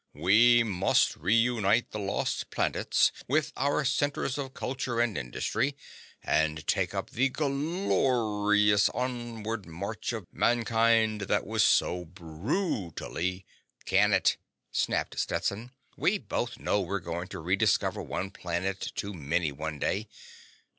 "We must reunite the lost planets with our centers of culture and industry, and take up the glor ious onward march of mankind that was so bru tally—" "Can it!" snapped Stetson. "We both know we're going to rediscover one planet too many some day.